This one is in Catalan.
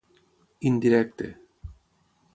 Indirecte: